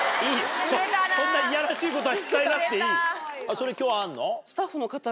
それ今日あるの？